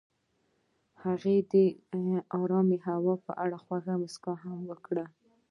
هغې د آرام هوا په اړه خوږه موسکا هم وکړه.